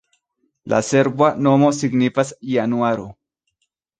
La serba nomo signifas januaro.